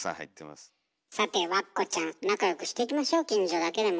さてわっこちゃん仲よくしていきましょ近所だけでも。